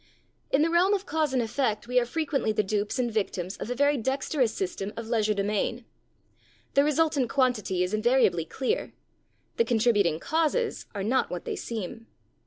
In the realm of cause and effect we are frequently the dupes and victims of a very dexterous system of legerdemain. The resultant quantity is invariably clear; the contributing causes are not what they seem.